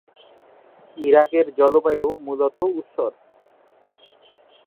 ইরাকের জলবায়ু মূলত ঊষর।